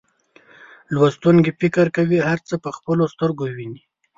لوستونکي فکر کوي هر څه په خپلو سترګو ویني.